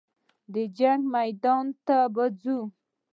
د جنګ میدان ته دې بوځي.